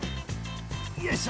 よいしょ！